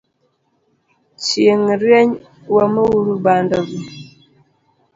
Chieng rieny wamouru bando gi